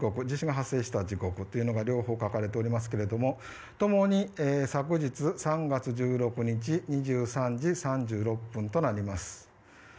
地震が発生した時刻というのが両方書かれていますが共に昨日３月１６日２３時３６分となります。